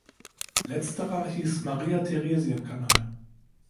Letzterer hieß Maria-Theresien-Kanal.